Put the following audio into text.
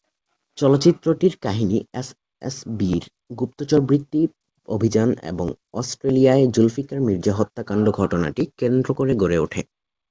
চলচ্চিত্রটির কাহিনি এসএসবি’র গুপ্তচরবৃত্তি অভিযান এবং অস্ট্রেলিয়ায় জুলফিকার মির্জা হত্যাকাণ্ড ঘটনাটি কেন্দ্র করে গড়ে উঠে।